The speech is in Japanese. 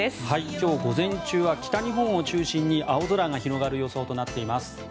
今日午前中は北日本を中心に青空が広がる予想となっています。